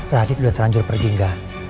radit sudah terlanjur pergi enggak